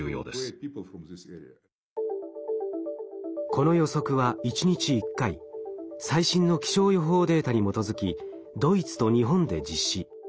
この予測は１日１回最新の気象予報データに基づきドイツと日本で実施。